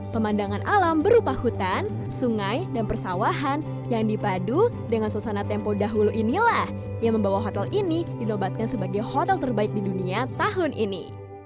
pemandangan alam berupa hutan sungai dan persawahan yang dipadu dengan suasana tempo dahulu inilah yang membawa hotel ini dinobatkan sebagai hotel terbaik di dunia tahun ini